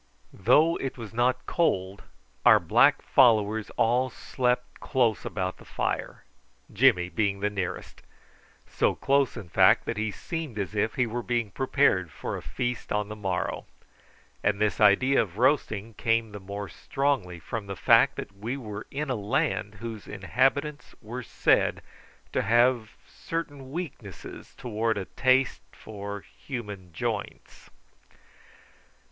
Though it was not cold our black followers all slept close about the fire, Jimmy the nearest so close, in fact, that he seemed as if he were being prepared for a feast on the morrow; and this idea of roasting came the more strongly from the fact that we were in a land whose inhabitants were said to have certain weaknesses towards a taste for human joints.